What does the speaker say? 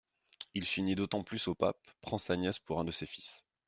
Il s'unit d'autant plus au pape, prend sa nièce pour un de ses fils.